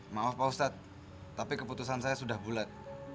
maaf pak ustadz tapi keputusan saya sudah bulat